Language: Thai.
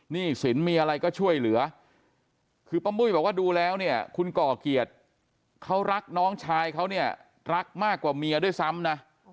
หนี้สินมีอะไรก็ช่วยเหลือคือป้ามุ้ยบอกว่าดูแล้วเนี่ยคุณก่อเกียรติเขารักน้องชายเขาเนี่ยรักมากกว่าเมียด้วยซ้ำนะ